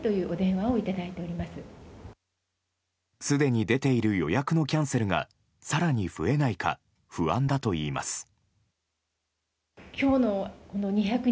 すでに出ている予約のキャンセルが更に増えないか不安だといいます。